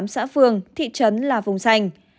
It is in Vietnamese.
xã phường thị trấn là vùng xanh